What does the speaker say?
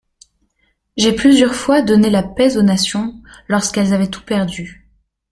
»J'ai plusieurs fois donné la paix aux nations, lorsqu'elles avaient tout perdu.